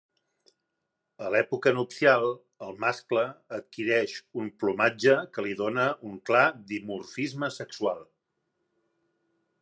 A l'època nupcial, el mascle adquireix un plomatge que li dóna un clar dimorfisme sexual.